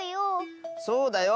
そうだよ！